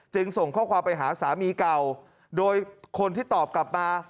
ส่งข้อความไปหาสามีเก่าโดยคนที่ตอบกลับมา